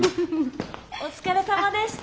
お疲れさまでした。